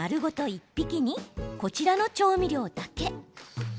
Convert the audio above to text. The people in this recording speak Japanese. １匹にこちらの調味料だけ。